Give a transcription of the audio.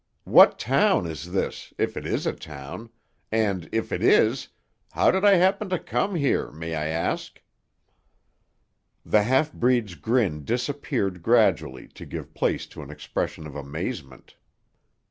What town is this, if it is a town, and if it is, how did I happen to come here, may I ask?" The half breed's grin disappeared, gradually to give place to an expression of amazement.